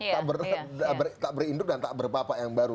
tidak berindut dan tidak berbapa yang baru